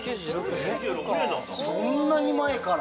そんなに前から。